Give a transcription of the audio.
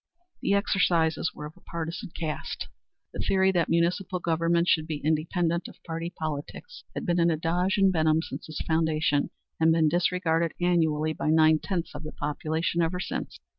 The exercises were of a partisan cast. The theory that municipal government should be independent of party politics had been an adage in Benham since its foundation, and been disregarded annually by nine tenths of the population ever since.